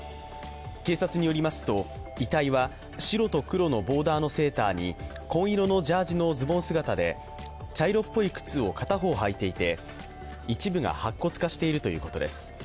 警察によりますと遺体は白と黒のボーダーのセーターに紺色のジャージのズボン姿で茶色っぽい靴を片方履いていて一部が白骨化しているということです。